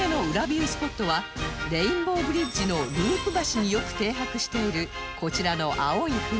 ビュースポットはレインボーブリッジのループ橋によく停泊しているこちらの青い船